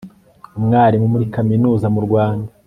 umwarimu muri kaminuza mu rwanda